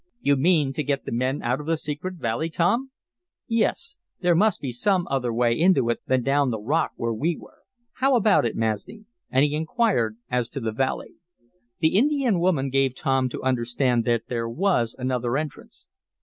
"You mean to get the men out of the secret valley, Tom?" "Yes. There must be some other way into it than down the rock where we were. How about it, Masni?" and he inquired as to the valley. The Indian woman gave Tom to understand that there was another entrance.